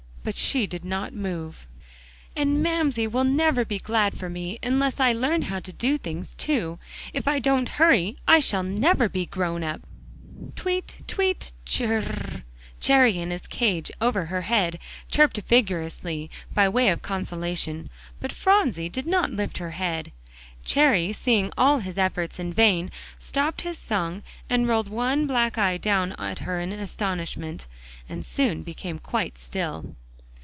But she did not move. "And Mamsie will never be glad for me, unless I learn how to do things too. If I don't hurry, I shall never be grown up." "Tweet tweet ch r r r" Cherry in his cage over her head, chirped vigorously by way of consolation, but Phronsie did not lift her head. Cherry seeing all his efforts in vain, stopped his song and rolled one black eye down at her in astonishment, and soon became quite still.